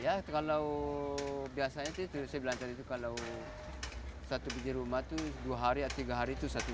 ya kalau biasanya saya belajar itu kalau satu biji rumah itu dua hari atau tiga hari itu satu jam